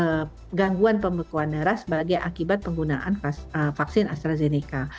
namanya gangguan pembekuan darah sebagai akibat penggunaan vaksin astrazeneca